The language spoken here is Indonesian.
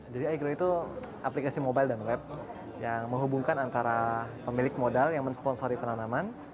jadi igrow itu aplikasi mobile dan web yang menghubungkan antara pemilik modal yang mensponsori penanaman